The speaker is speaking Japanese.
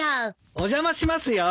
お邪魔しますよ。